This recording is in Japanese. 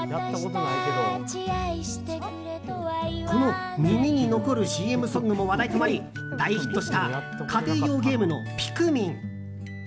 この耳に残るＣＭソングも話題となり大ヒットした家庭用ゲームの「ピクミン」。